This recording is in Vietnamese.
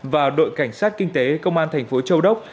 và đội cảnh sát kinh tế công an thành phố châu đốc